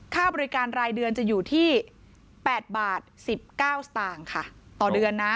ค่าบริการรายเดือนจะอยู่ที่๘บาท๑๙สตางค์ค่ะต่อเดือนนะ